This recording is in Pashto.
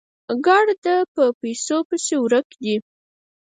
ګړد په پيسو پسې ورک دي